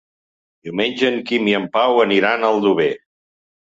Diumenge en Quim i en Pau aniran a Aldover.